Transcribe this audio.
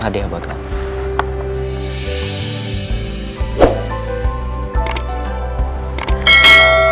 adi apaan itu